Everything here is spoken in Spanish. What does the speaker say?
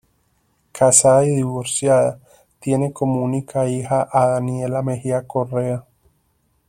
Casada y divorciada, tiene como única hija a Daniela Mejía Correa.